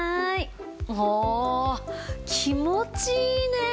おお気持ちいいね。